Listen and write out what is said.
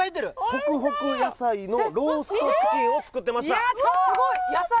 ホクホク野菜のローストチキンを作ってました・やった！